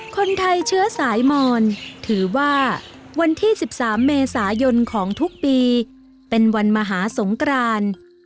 คนไทยเชื้อสายมอนถือว่าวันที่๑๓เมษายนของทุกปีเป็นวันมหาสงกราน